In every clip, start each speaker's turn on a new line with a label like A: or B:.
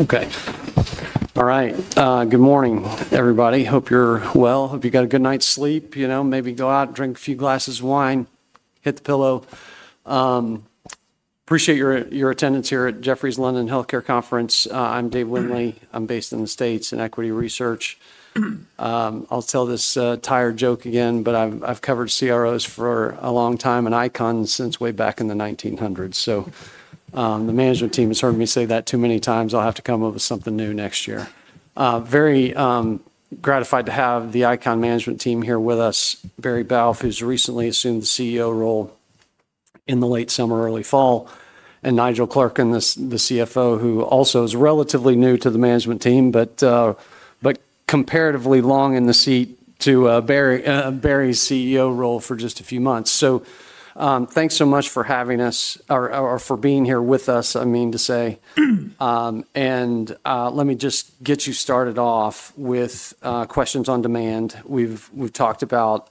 A: Okay. All right. Good morning, everybody. Hope you're well. Hope you got a good night's sleep. Maybe go out, drink a few glasses of wine, hit the pillow. Appreciate your attendance here at Jefferies London Healthcare Conference. I'm Dave Windley. I'm based in the States in equity research. I'll tell this tired joke again, but I've covered CROs for a long time and ICONs since way back in the 1900s. The management team has heard me say that too many times. I'll have to come up with something new next year. Very gratified to have the ICON management team here with us. Barry Balfe, who's recently assumed the CEO role in the late summer, early fall. And Nigel Clerkin, the CFO, who also is relatively new to the management team, but comparatively long in the seat to Barry's CEO role for just a few months. Thanks so much for having us or for being here with us, I mean to say. Let me just get you started off with questions on demand. We've talked about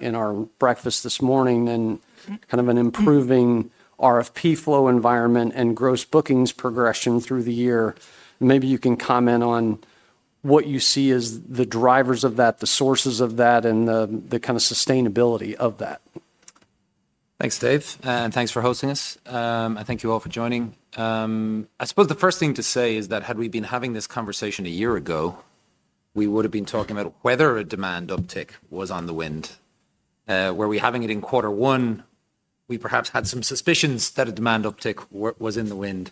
A: in our breakfast this morning and kind of an improving RFP flow environment and gross bookings progression through the year. Maybe you can comment on what you see as the drivers of that, the sources of that, and the kind of sustainability of that.
B: Thanks, Dave. Thanks for hosting us. Thank you all for joining. I suppose the first thing to say is that had we been having this conversation a year ago, we would have been talking about whether a demand uptick was on the wind. Were we having it in quarter one, we perhaps had some suspicions that a demand uptick was in the wind.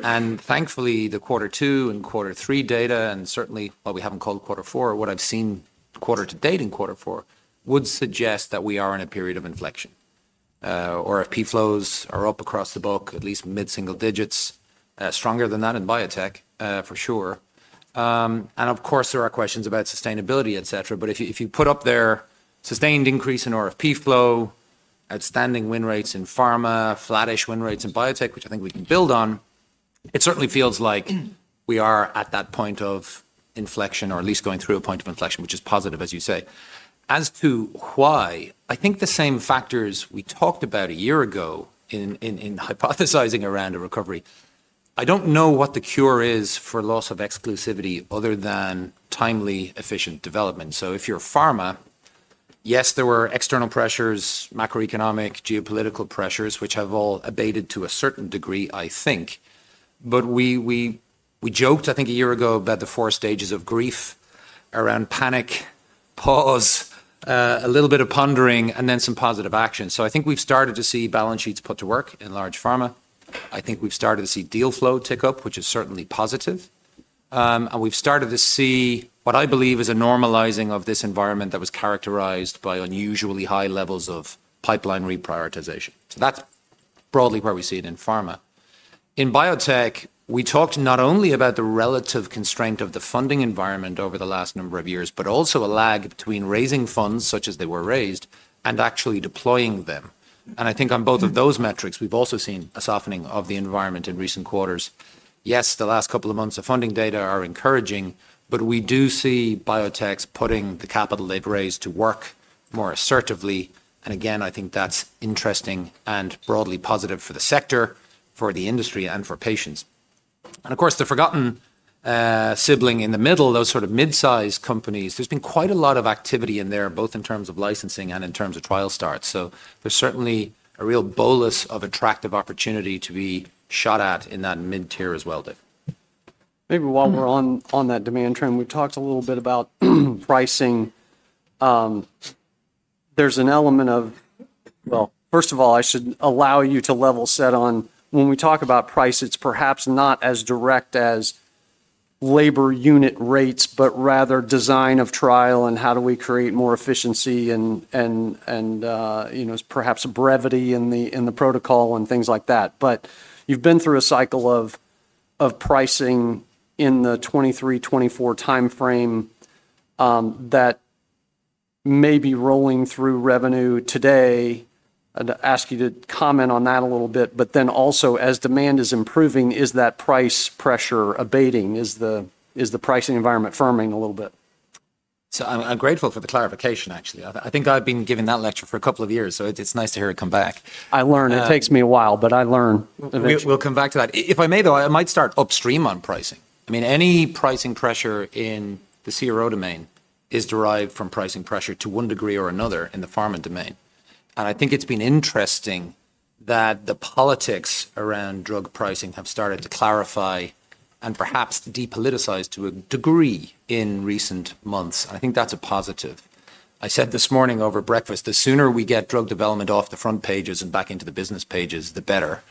B: Thankfully, the quarter two and quarter three data, and certainly, we haven't called quarter four, or what I've seen quarter to date in quarter four, would suggest that we are in a period of inflection. RFP flows are up across the book, at least mid-single digits, stronger than that in biotech, for sure. Of course, there are questions about sustainability, et cetera. If you put up there sustained increase in RFP flow, outstanding win rates in pharma, flattish win rates in biotech, which I think we can build on, it certainly feels like we are at that point of inflection, or at least going through a point of inflection, which is positive, as you say. As to why, I think the same factors we talked about a year ago in hypothesizing around a recovery, I don't know what the cure is for loss of exclusivity other than timely, efficient development. If you're pharma, yes, there were external pressures, macroeconomic, geopolitical pressures, which have all abated to a certain degree, I think. We joked, I think, a year ago about the four stages of grief around panic, pause, a little bit of pondering, and then some positive action. I think we've started to see balance sheets put to work in large pharma. I think we've started to see deal flow tick up, which is certainly positive. We've started to see what I believe is a normalizing of this environment that was characterized by unusually high levels of pipeline reprioritization. That's broadly where we see it in pharma. In biotech, we talked not only about the relative constraint of the funding environment over the last number of years, but also a lag between raising funds such as they were raised and actually deploying them. I think on both of those metrics, we've also seen a softening of the environment in recent quarters. Yes, the last couple of months of funding data are encouraging, but we do see biotechs putting the capital they've raised to work more assertively. I think that's interesting and broadly positive for the sector, for the industry, and for patients. Of course, the forgotten sibling in the middle, those sort of mid-sized companies, there's been quite a lot of activity in there, both in terms of licensing and in terms of trial starts. There's certainly a real bolus of attractive opportunity to be shot at in that mid-tier as well, Dave.
A: Maybe while we're on that demand trend, we talked a little bit about pricing. There's an element of, well, first of all, I should allow you to level set on when we talk about price, it's perhaps not as direct as labor unit rates, but rather design of trial and how do we create more efficiency and perhaps brevity in the protocol and things like that. You've been through a cycle of pricing in the 2023, 2024 timeframe that may be rolling through revenue today. I'd ask you to comment on that a little bit. Also, as demand is improving, is that price pressure abating? Is the pricing environment firming a little bit?
B: I'm grateful for the clarification, actually. I think I've been giving that lecture for a couple of years, so it's nice to hear it come back.
A: I learn. It takes me a while, but I learn.
B: We'll come back to that. If I may, though, I might start upstream on pricing. I mean, any pricing pressure in the CRO domain is derived from pricing pressure to one degree or another in the pharma domain. I think it's been interesting that the politics around drug pricing have started to clarify and perhaps depoliticize to a degree in recent months. I think that's a positive. I said this morning over breakfast, the sooner we get drug development off the front pages and back into the business pages, the better,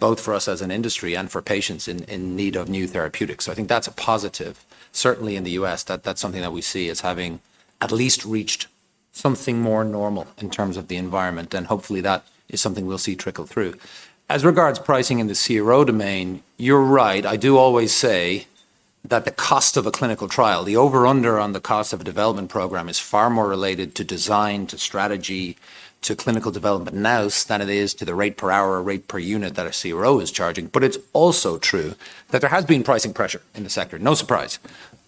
B: both for us as an industry and for patients in need of new therapeutics. I think that's a positive. Certainly in the U.S., that's something that we see as having at least reached something more normal in terms of the environment. Hopefully, that is something we'll see trickle through. As regards pricing in the CRO domain, you're right. I do always say that the cost of a clinical trial, the over/under on the cost of a development program is far more related to design, to strategy, to clinical development now than it is to the rate per hour, rate per unit that a CRO is charging. It is also true that there has been pricing pressure in the sector. No surprise.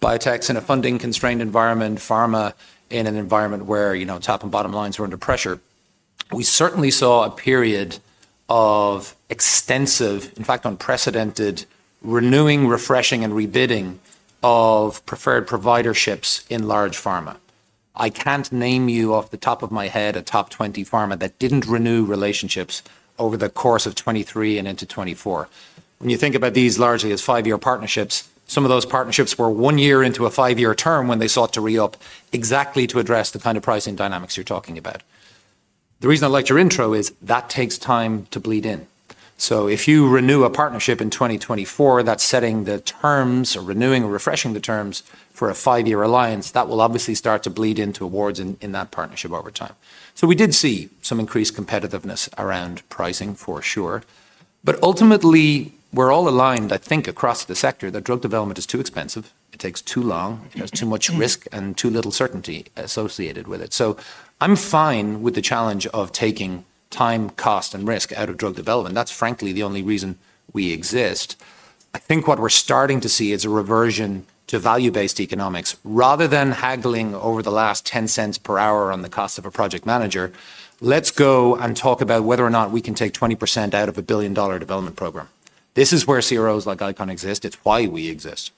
B: Biotechs in a funding-constrained environment, pharma in an environment where top and bottom lines were under pressure. We certainly saw a period of extensive, in fact, unprecedented, renewing, refreshing, and rebidding of preferred provider ships in large pharma. I can't name you off the top of my head a top 20 pharma that didn't renew relationships over the course of 2023 and into 2024. When you think about these largely as five-year partnerships, some of those partnerships were one year into a five-year term when they sought to re-up exactly to address the kind of pricing dynamics you're talking about. The reason I like your intro is that takes time to bleed in. If you renew a partnership in 2024, that's setting the terms or renewing or refreshing the terms for a five-year alliance. That will obviously start to bleed into awards in that partnership over time. We did see some increased competitiveness around pricing, for sure. Ultimately, we're all aligned, I think, across the sector that drug development is too expensive. It takes too long. It has too much risk and too little certainty associated with it. I'm fine with the challenge of taking time, cost, and risk out of drug development. That's, frankly, the only reason we exist. I think what we're starting to see is a reversion to value-based economics. Rather than haggling over the last 10 cents per hour on the cost of a project manager, let's go and talk about whether or not we can take 20% out of a $1 billion development program. This is where CROs like ICON exist. It's why we exist.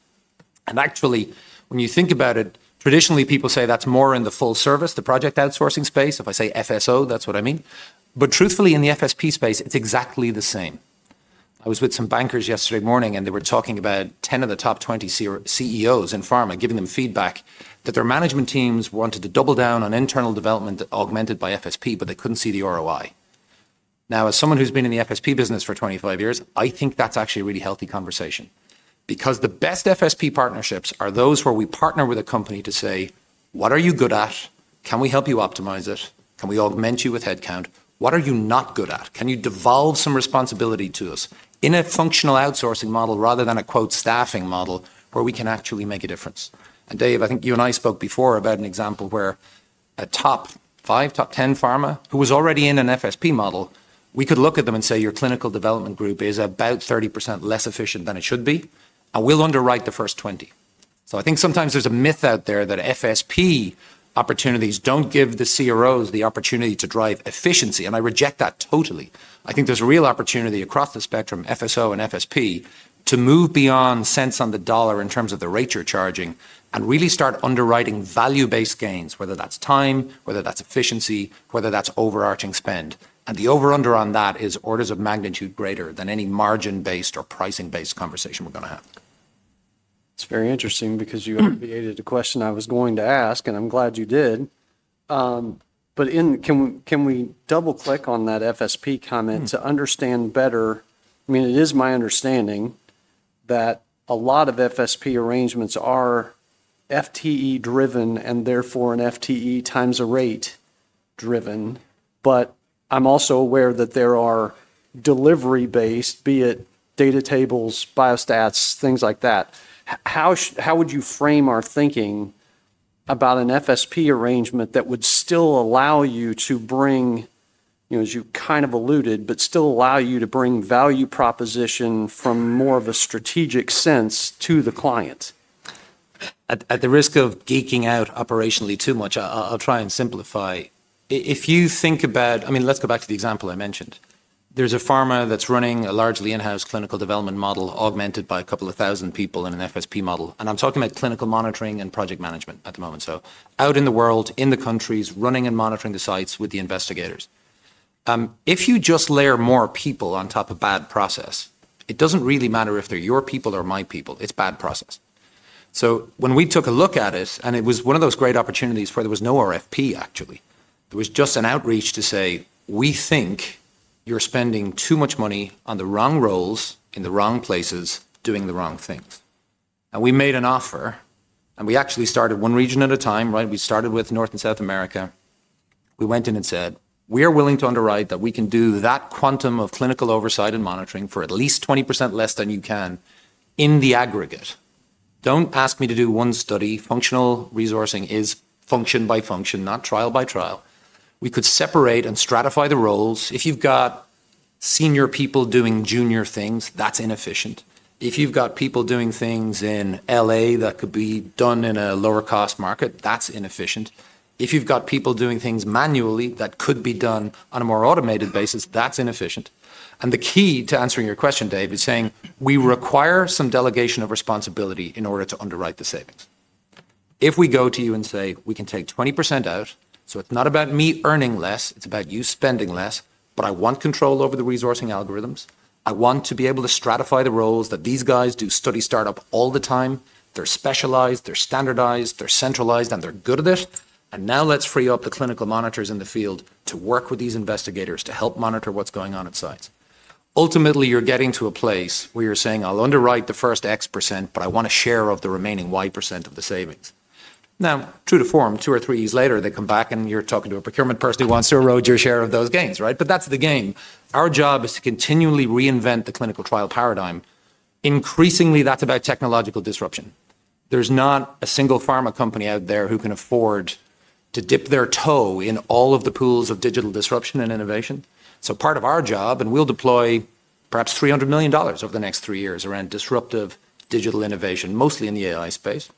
B: Actually, when you think about it, traditionally, people say that's more in the full service, the project outsourcing space. If I say FSO, that's what I mean. Truthfully, in the FSP space, it's exactly the same. I was with some bankers yesterday morning, and they were talking about 10 of the top 20 CEOs in pharma, giving them feedback that their management teams wanted to double down on internal development augmented by FSP, but they couldn't see the ROI. Now, as someone who's been in the FSP business for 25 years, I think that's actually a really healthy conversation. Because the best FSP partnerships are those where we partner with a company to say, "What are you good at? Can we help you optimize it? Can we augment you with headcount? What are you not good at? Can you devolve some responsibility to us in a functional outsourcing model rather than a, quote, staffing model where we can actually make a difference?" Dave, I think you and I spoke before about an example where a top 5, top 10 pharma who was already in an FSP model, we could look at them and say, "Your clinical development group is about 30% less efficient than it should be. I will underwrite the first 20. I think sometimes there's a myth out there that FSP opportunities don't give the CROs the opportunity to drive efficiency. I reject that totally. I think there's a real opportunity across the spectrum, FSO and FSP, to move beyond cents on the dollar in terms of the rate you're charging and really start underwriting value-based gains, whether that's time, whether that's efficiency, whether that's overarching spend. The over/under on that is orders of magnitude greater than any margin-based or pricing-based conversation we're going to have.
A: It's very interesting because you abbreviated a question I was going to ask, and I'm glad you did. Can we double-click on that FSP comment to understand better? I mean, it is my understanding that a lot of FSP arrangements are FTE-driven and therefore an FTE times a rate driven. I'm also aware that there are delivery-based, be it data tables, biostats, things like that. How would you frame our thinking about an FSP arrangement that would still allow you to bring, as you kind of alluded, but still allow you to bring value proposition from more of a strategic sense to the client?
B: At the risk of geeking out operationally too much, I'll try and simplify. If you think about, I mean, let's go back to the example I mentioned. There's a pharma that's running a largely in-house clinical development model augmented by a couple of thousand people in an FSP model. And I'm talking about clinical monitoring and project management at the moment. Out in the world, in the countries, running and monitoring the sites with the investigators. If you just layer more people on top of bad process, it doesn't really matter if they're your people or my people. It's bad process. When we took a look at it, it was one of those great opportunities where there was no RFP, actually. There was just an outreach to say, "We think you're spending too much money on the wrong roles in the wrong places doing the wrong things." We made an offer. We actually started one region at a time, right? We started with North and South America. We went in and said, "We are willing to underwrite that we can do that quantum of clinical oversight and monitoring for at least 20% less than you can in the aggregate. Don't ask me to do one study. Functional resourcing is function by function, not trial by trial." We could separate and stratify the roles. If you've got senior people doing junior things, that's inefficient. If you've got people doing things in Los Angeles that could be done in a lower-cost market, that's inefficient. If you've got people doing things manually that could be done on a more automated basis, that's inefficient. The key to answering your question, Dave, is saying we require some delegation of responsibility in order to underwrite the savings. If we go to you and say, "We can take 20% out, so it's not about me earning less, it's about you spending less, but I want control over the resourcing algorithms. I want to be able to stratify the roles that these guys do study startup all the time. They're specialized, they're standardized, they're centralized, and they're good at it. Now let's free up the clinical monitors in the field to work with these investigators to help monitor what's going on at sites. Ultimately, you're getting to a place where you're saying, "I'll underwrite the first X %, but I want a share of the remaining Y % of the savings." True to form, two or three years later, they come back and you're talking to a procurement person who wants to erode your share of those gains, right? That's the game. Our job is to continually reinvent the clinical trial paradigm. Increasingly, that's about technological disruption. There's not a single pharma company out there who can afford to dip their toe in all of the pools of digital disruption and innovation. Part of our job, and we'll deploy perhaps $300 million over the next three years around disruptive digital innovation, mostly in the AI space.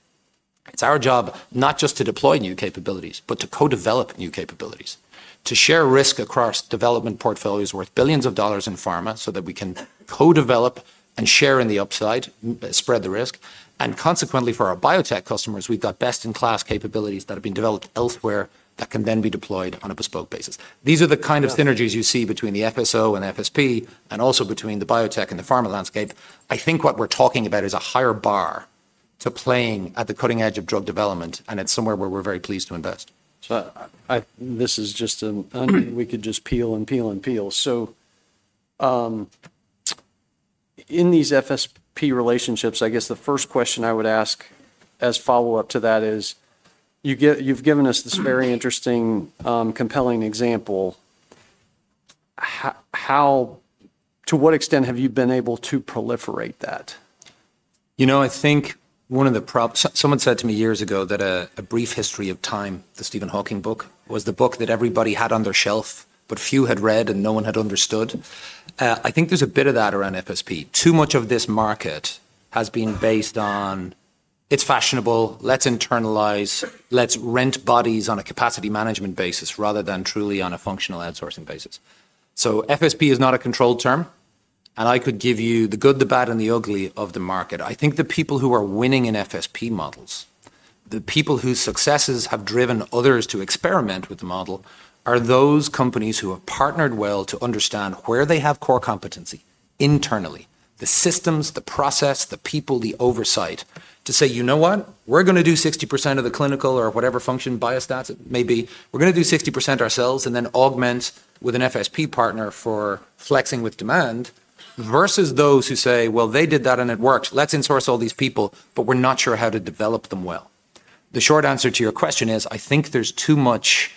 B: It's our job not just to deploy new capabilities, but to co-develop new capabilities, to share risk across development portfolios worth billions of dollars in pharma so that we can co-develop and share in the upside, spread the risk. Consequently, for our biotech customers, we've got best-in-class capabilities that have been developed elsewhere that can then be deployed on a bespoke basis. These are the kind of synergies you see between the FSO and FSP and also between the biotech and the pharma landscape. I think what we're talking about is a higher bar to playing at the cutting edge of drug development, and it's somewhere where we're very pleased to invest.
A: This is just a we could just peel and peel and peel. In these FSP relationships, I guess the first question I would ask as follow-up to that is, you've given us this very interesting, compelling example. To what extent have you been able to proliferate that?
B: You know, I think one of the problems someone said to me years ago that A Brief History of Time, the Stephen Hawking book, was the book that everybody had on their shelf, but few had read and no one had understood. I think there's a bit of that around FSP. Too much of this market has been based on, "It's fashionable. Let's internalize. Let's rent bodies on a capacity management basis rather than truly on a functional outsourcing basis." So FSP is not a controlled term. And I could give you the good, the bad, and the ugly of the market. I think the people who are winning in FSP models, the people whose successes have driven others to experiment with the model, are those companies who have partnered well to understand where they have core competency internally, the systems, the process, the people, the oversight, to say, "You know what? We're going to do 60% of the clinical or whatever function biostats may be. We're going to do 60% ourselves and then augment with an FSP partner for flexing with demand," versus those who say, "They did that and it worked. Let's insource all these people, but we're not sure how to develop them well." The short answer to your question is, I think there's too much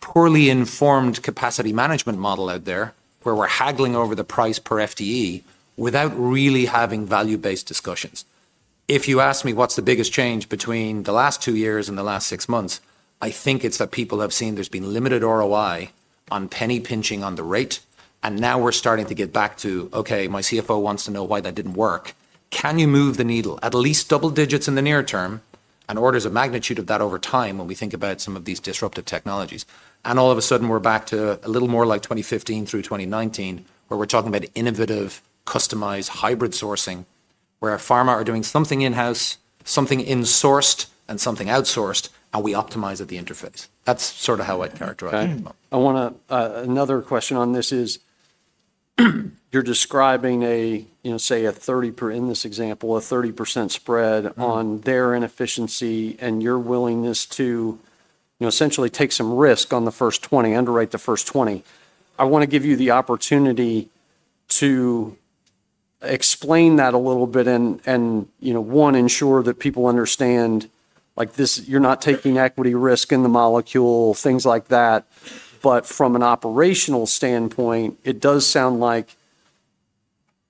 B: poorly informed capacity management model out there where we're haggling over the price per FTE without really having value-based discussions. If you ask me what's the biggest change between the last two years and the last six months, I think it's that people have seen there's been limited ROI on penny pinching on the rate. Now we're starting to get back to, "Okay, my CFO wants to know why that didn't work. Can you move the needle at least double digits in the near term and orders of magnitude of that over time when we think about some of these disruptive technologies?" All of a sudden, we're back to a little more like 2015 through 2019, where we're talking about innovative, customized, hybrid sourcing, where pharma are doing something in-house, something insourced, and something outsourced, and we optimize at the interface. That's sort of how I'd characterize it.
A: I want to another question on this is, you're describing a, say, a 30% in this example, a 30% spread on their inefficiency and your willingness to essentially take some risk on the first 20, underwrite the first 20. I want to give you the opportunity to explain that a little bit and, one, ensure that people understand, like, you're not taking equity risk in the molecule, things like that. But from an operational standpoint, it does sound like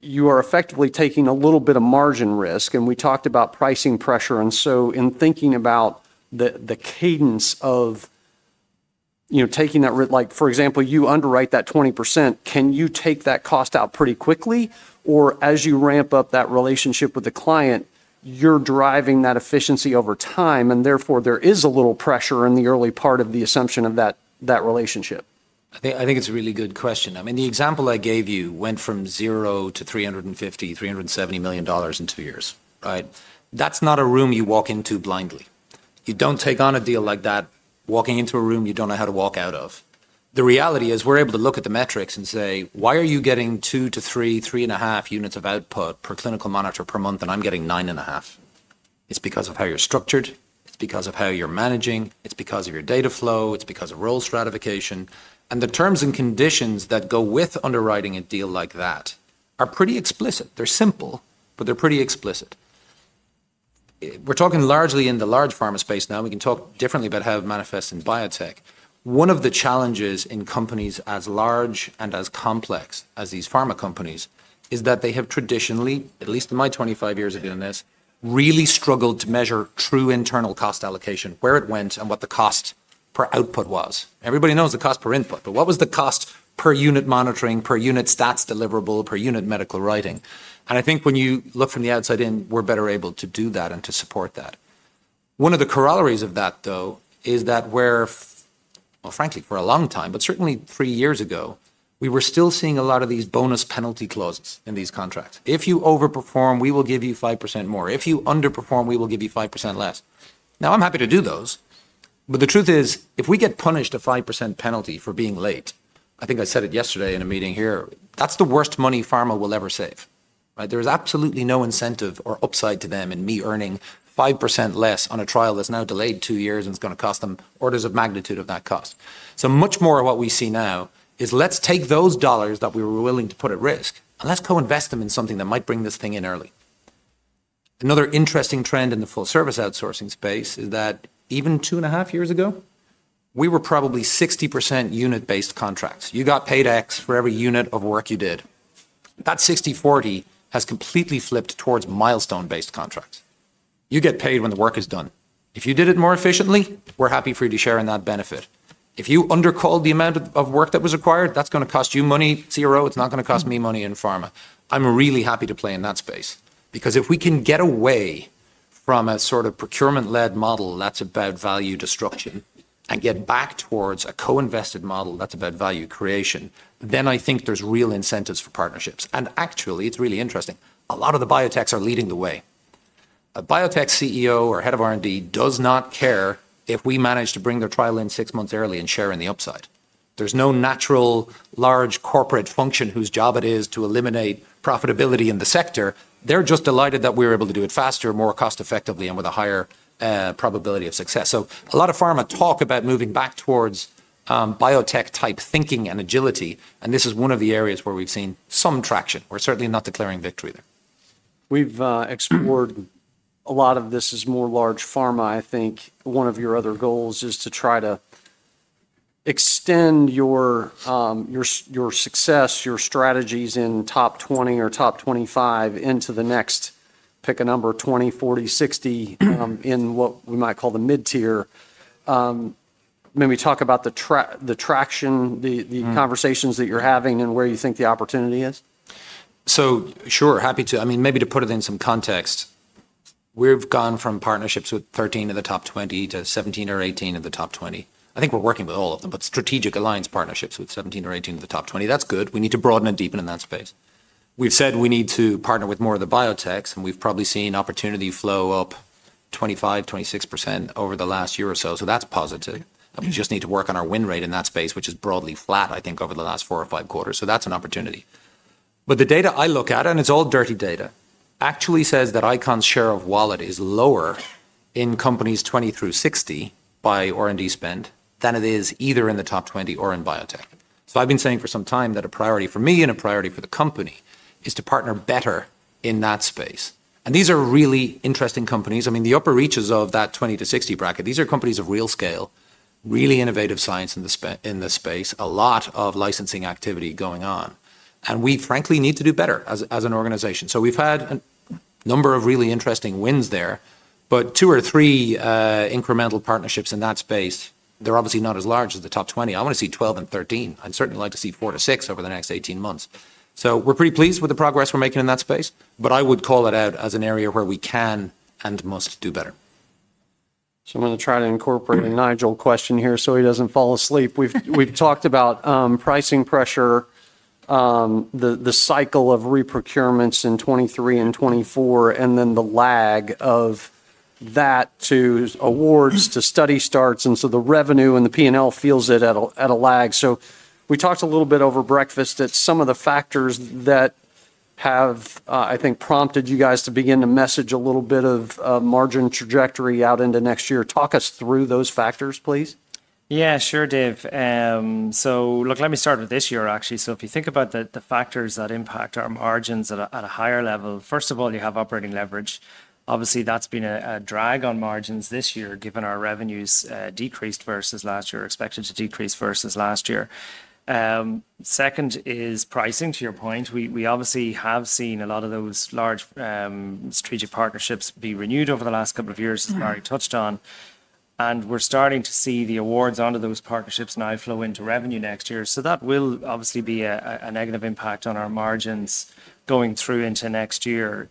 A: you are effectively taking a little bit of margin risk. We talked about pricing pressure. In thinking about the cadence of taking that, like, for example, you underwrite that 20%, can you take that cost out pretty quickly? As you ramp up that relationship with the client, you're driving that efficiency over time, and therefore there is a little pressure in the early part of the assumption of that relationship?
B: I think it's a really good question. I mean, the example I gave you went from zero to $350 million-$370 million in two years, right? That's not a room you walk into blindly. You don't take on a deal like that walking into a room you don't know how to walk out of. The reality is we're able to look at the metrics and say, "Why are you getting two to three, three and a half units of output per clinical monitor per month, and I'm getting nine and a half?" It's because of how you're structured. It's because of how you're managing. It's because of your data flow. It's because of role stratification. The terms and conditions that go with underwriting a deal like that are pretty explicit. They're simple, but they're pretty explicit. We're talking largely in the large pharma space now. We can talk differently about how it manifests in biotech. One of the challenges in companies as large and as complex as these pharma companies is that they have traditionally, at least in my 25 years of doing this, really struggled to measure true internal cost allocation, where it went, and what the cost per output was. Everybody knows the cost per input, but what was the cost per unit monitoring, per unit stats deliverable, per unit medical writing? I think when you look from the outside in, we're better able to do that and to support that. One of the corollaries of that, though, is that where, frankly, for a long time, but certainly three years ago, we were still seeing a lot of these bonus penalty clauses in these contracts. If you overperform, we will give you 5% more. If you underperform, we will give you 5% less. Now, I'm happy to do those. The truth is, if we get punished a 5% penalty for being late, I think I said it yesterday in a meeting here, that's the worst money pharma will ever save, right? There is absolutely no incentive or upside to them in me earning 5% less on a trial that's now delayed two years and it's going to cost them orders of magnitude of that cost. So much more of what we see now is, "Let's take those dollars that we were willing to put at risk and let's go invest them in something that might bring this thing in early." Another interesting trend in the full-service outsourcing space is that even two and a half years ago, we were probably 60% unit-based contracts. You got paid X for every unit of work you did. That 60/40 has completely flipped towards milestone-based contracts. You get paid when the work is done. If you did it more efficiently, we're happy for you to share in that benefit. If you undercalled the amount of work that was required, that's going to cost you money, CRO. It's not going to cost me money in pharma. I'm really happy to play in that space because if we can get away from a sort of procurement-led model that's about value destruction and get back towards a co-invested model that's about value creation, I think there's real incentives for partnerships. Actually, it's really interesting. A lot of the biotechs are leading the way. A biotech CEO or head of R&D does not care if we manage to bring their trial in six months early and share in the upside. There is no natural large corporate function whose job it is to eliminate profitability in the sector. They are just delighted that we are able to do it faster, more cost-effectively, and with a higher probability of success. A lot of pharma talk about moving back towards biotech-type thinking and agility. This is one of the areas where we have seen some traction. We are certainly not declaring victory there.
A: We've explored a lot of this as more large pharma. I think one of your other goals is to try to extend your success, your strategies in top 20 or top 25 into the next, pick a number, 20, 40, 60 in what we might call the mid-tier. Maybe talk about the traction, the conversations that you're having and where you think the opportunity is.
B: Sure, happy to. I mean, maybe to put it in some context, we've gone from partnerships with 13 of the top 20 to 17 or 18 of the top 20. I think we're working with all of them, but strategic alliance partnerships with 17 or 18 of the top 20, that's good. We need to broaden and deepen in that space. We've said we need to partner with more of the biotechs, and we've probably seen opportunity flow up 25%-26% over the last year or so. That's positive. We just need to work on our win rate in that space, which is broadly flat, I think, over the last four or five quarters. That's an opportunity. The data I look at, and it's all dirty data, actually says that ICON's share of wallet is lower in companies 20-60 by R&D spend than it is either in the top 20 or in biotech. I've been saying for some time that a priority for me and a priority for the company is to partner better in that space. These are really interesting companies. I mean, the upper reaches of that 20-60 bracket, these are companies of real scale, really innovative science in the space, a lot of licensing activity going on. We, frankly, need to do better as an organization. We've had a number of really interesting wins there, but two or three incremental partnerships in that space, they're obviously not as large as the top 20. I want to see 12 and 13. I'd certainly like to see four to six over the next 18 months. We are pretty pleased with the progress we're making in that space, but I would call it out as an area where we can and must do better.
A: I'm going to try to incorporate a Nigel question here so he doesn't fall asleep. We've talked about pricing pressure, the cycle of reprocurements in 2023 and 2024, and then the lag of that to awards, to study starts. The revenue and the P&L feels it at a lag. We talked a little bit over breakfast at some of the factors that have, I think, prompted you guys to begin to message a little bit of margin trajectory out into next year. Talk us through those factors, please.
C: Yeah, sure, Dave. Look, let me start with this year, actually. If you think about the factors that impact our margins at a higher level, first of all, you have operating leverage. Obviously, that's been a drag on margins this year, given our revenues decreased versus last year, expected to decrease versus last year. Second is pricing, to your point. We obviously have seen a lot of those large strategic partnerships be renewed over the last couple of years, as Barry touched on. We're starting to see the awards under those partnerships now flow into revenue next year. That will obviously be a negative impact on our margins going through into next year.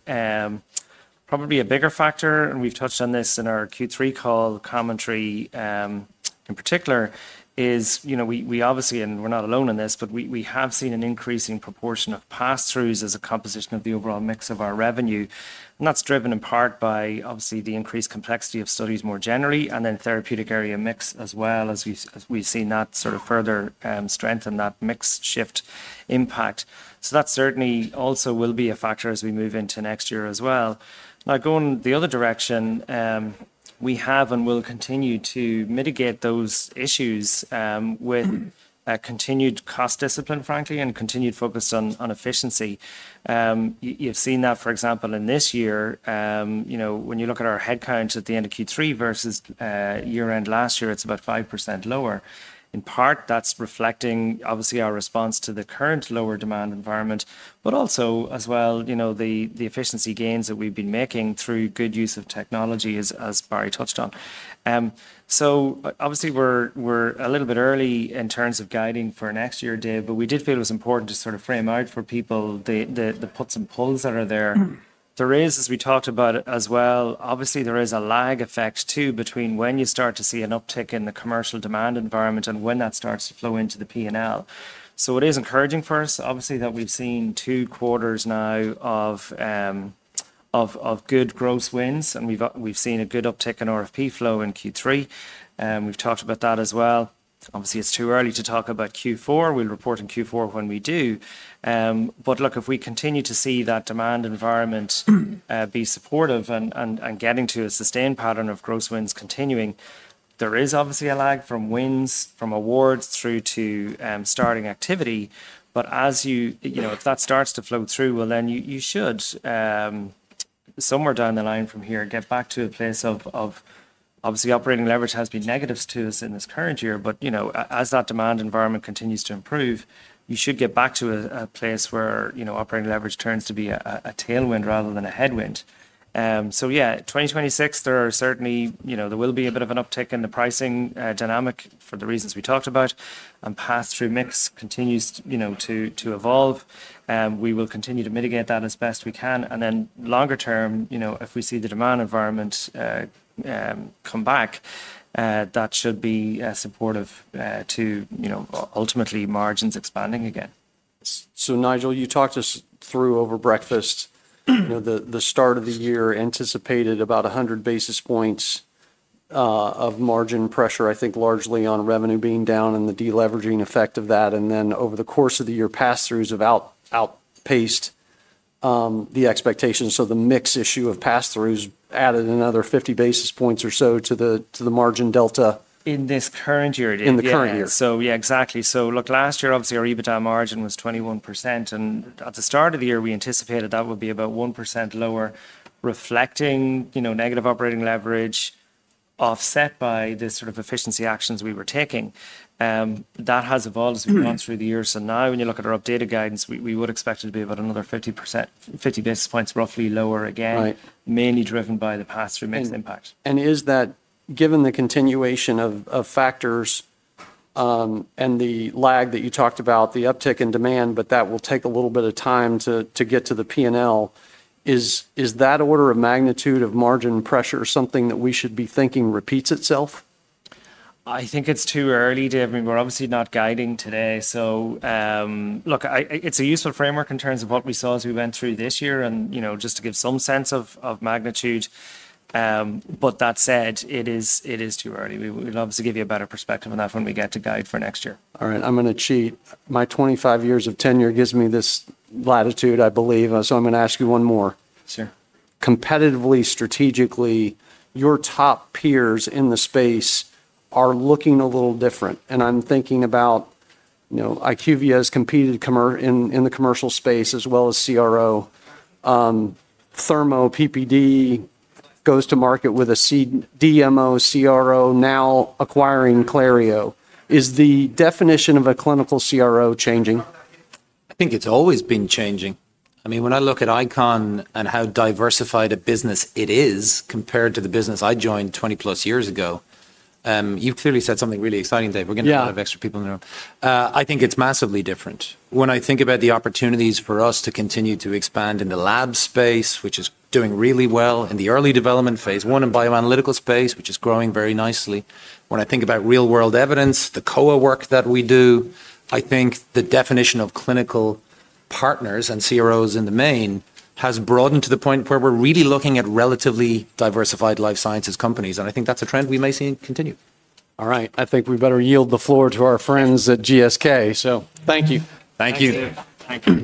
C: Probably a bigger factor, and we've touched on this in our Q3 call commentary in particular, is we obviously, and we're not alone in this, but we have seen an increasing proportion of pass-throughs as a composition of the overall mix of our revenue. That's driven in part by, obviously, the increased complexity of studies more generally, and then therapeutic area mix as well, as we've seen that sort of further strengthen that mix shift impact. That certainly also will be a factor as we move into next year as well. Now, going the other direction, we have and will continue to mitigate those issues with continued cost discipline, frankly, and continued focus on efficiency. You've seen that, for example, in this year. When you look at our headcount at the end of Q3 versus year-end last year, it's about 5% lower. In part, that's reflecting, obviously, our response to the current lower demand environment, but also as well, the efficiency gains that we've been making through good use of technology, as Barry touched on. Obviously, we're a little bit early in terms of guiding for next year, Dave, but we did feel it was important to sort of frame out for people the puts and pulls that are there. There is, as we talked about as well, obviously, a lag effect too between when you start to see an uptick in the commercial demand environment and when that starts to flow into the P&L. It is encouraging for us, obviously, that we've seen two quarters now of good gross wins, and we've seen a good uptick in RFP flow in Q3. We've talked about that as well. Obviously, it's too early to talk about Q4. We'll report on Q4 when we do. Look, if we continue to see that demand environment be supportive and getting to a sustained pattern of gross wins continuing, there is obviously a lag from wins, from awards through to starting activity. As you know, if that starts to flow through, you should, somewhere down the line from here, get back to a place of, obviously, operating leverage has been negative to us in this current year. As that demand environment continues to improve, you should get back to a place where operating leverage turns to be a tailwind rather than a headwind. Yeah, 2026, there are certainly, there will be a bit of an uptick in the pricing dynamic for the reasons we talked about, and pass-through mix continues to evolve. We will continue to mitigate that as best we can. If we see the demand environment come back longer term, that should be supportive to ultimately margins expanding again.
A: Nigel, you talked us through over breakfast, the start of the year anticipated about 100 basis points of margin pressure, I think largely on revenue being down and the deleveraging effect of that. Then over the course of the year, pass-throughs have outpaced the expectations. The mix issue of pass-throughs added another 50 basis points or so to the margin delta.
C: In this current year, Dave.
A: In the current year.
C: Yeah, exactly. Look, last year, obviously, our EBITDA margin was 21%. At the start of the year, we anticipated that would be about 1% lower, reflecting negative operating leverage offset by this sort of efficiency actions we were taking. That has evolved as we've gone through the years. Now, when you look at our updated guidance, we would expect it to be about another 50 basis points roughly lower again, mainly driven by the pass-through mix impact.
A: Is that, given the continuation of factors and the lag that you talked about, the uptick in demand, but that will take a little bit of time to get to the P&L, is that order of magnitude of margin pressure something that we should be thinking repeats itself?
C: I think it's too early, Dave. I mean, we're obviously not guiding today. Look, it's a useful framework in terms of what we saw as we went through this year and just to give some sense of magnitude. That said, it is too early. We'll obviously give you a better perspective on that when we get to guide for next year.
A: All right. I'm going to cheat. My 25 years of tenure gives me this latitude, I believe. So I'm going to ask you one more.
C: Sure.
A: Competitively, strategically, your top peers in the space are looking a little different. I'm thinking about IQVIA has competed in the commercial space as well as CRO, Thermo PPD goes to market with a DMO CRO, now acquiring Clario. Is the definition of a clinical CRO changing?
B: I think it's always been changing. I mean, when I look at ICON and how diversified a business it is compared to the business I joined 20 plus years ago, you've clearly said something really exciting, Dave. We're getting a lot of extra people in the room. I think it's massively different. When I think about the opportunities for us to continue to expand in the lab space, which is doing really well in the early development phase one and bioanalytical space, which is growing very nicely. When I think about real-world evidence, the co-work that we do, I think the definition of clinical partners and CROs in the main has broadened to the point where we're really looking at relatively diversified life sciences companies. I think that's a trend we may see continue.
A: All right. I think we better yield the floor to our friends at GSK. So thank you.
B: Thank you.
C: Thank you.